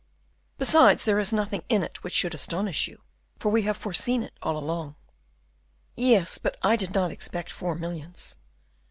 Besides, there is nothing in it which should astonish you, for we have foreseen it all along." "Yes; but I did not expect four millions."